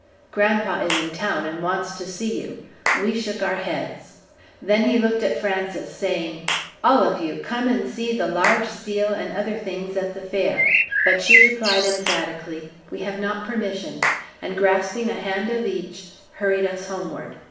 Grandpa is in town, and wants to see you." We shook our heads. Then he looked at Frances, saying, "All of you, come and see the large seal and other things at the fair." But she replied, emphatically, "We have not permission," and grasping a hand of each, hurried us homeward.